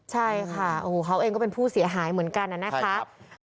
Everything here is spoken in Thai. ใช่ค่ะโอ้โหเขาเองก็เป็นผู้เสียหายเหมือนกันนะคะ